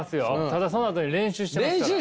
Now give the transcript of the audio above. ただそのあとに練習してますから。